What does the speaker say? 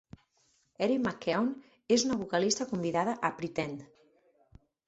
Erin McKeown és una vocalista convidada a Pretend.